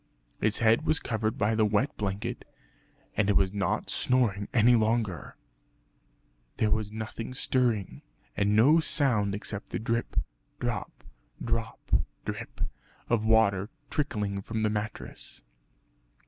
Its head was covered by the wet blanket and it was not snoring any longer. There was nothing stirring, and no sound except the drip, drop, drop drip of water trickling from the mattress.